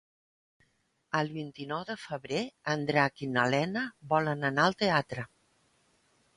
El vint-i-nou de febrer en Drac i na Lena volen anar al teatre.